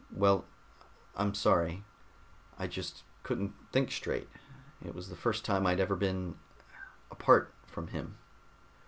"Well, I'm sorry. I just couldn't think straight. It was the first time I'd ever been apart from him."